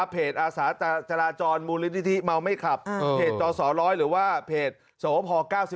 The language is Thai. เพจอาสาตาจราจรมูลนิธิมัวไม่ขับเพจตรสรร้อยหรือว่าเพจสมพ๙๑